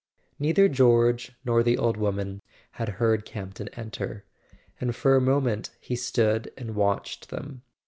Neither George nor the old woman had heard Camp ton enter; and for a moment he stood and watched them.